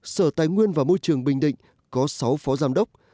sở tài nguyên và môi trường bình định có sáu phó giám đốc